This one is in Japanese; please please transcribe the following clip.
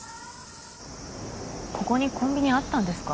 ここにコンビニあったんですか？